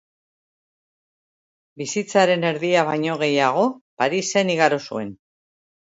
Bizitzaren erdia baino gehiago Parisen igaro zuen.